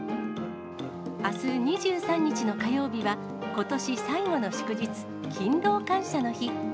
あす２３日の火曜日は、ことし最後の祝日、勤労感謝の日。